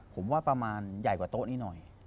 ผมว่าประมาณใหญ่กว่าโต๊ะนี้หน่อย